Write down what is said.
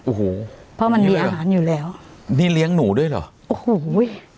โอ้โหเพราะมันมีอาหารอยู่แล้วนี่เลี้ยงหนูด้วยเหรอโอ้โห